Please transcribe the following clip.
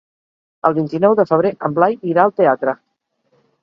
El vint-i-nou de febrer en Blai irà al teatre.